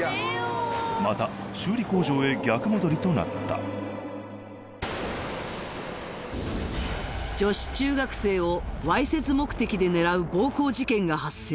またとなった女子中学生をわいせつ目的で狙う暴行事件が発生